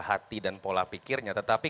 hati dan pola pikirnya tetapi